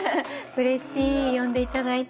うれしい呼んで頂いて。